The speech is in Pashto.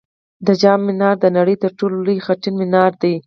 د جام منار د نړۍ تر ټولو لوړ خټین منار دی